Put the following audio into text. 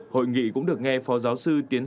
hội nghị cũng được nghe phó giáo sư tiến